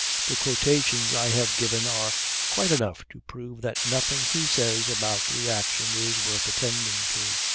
The quotations I have given are quite enough to prove that nothing he says about the action is worth attending to.